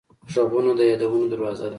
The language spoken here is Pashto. غږونه د یادونو دروازه ده